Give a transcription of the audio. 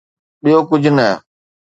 ٻيو ڪجھ نه.